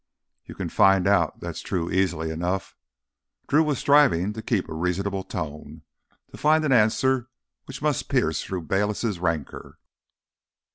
You can find out that's true easily enough." Drew was striving to keep a reasonable tone, to find an answer which must pierce through Bayliss' rancor.